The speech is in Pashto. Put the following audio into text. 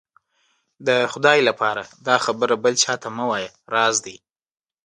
د خدای لهپاره دا خبره بل چا ته مه وايه، راز دی.